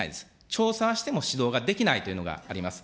調査はしても指導ができないというのがあります。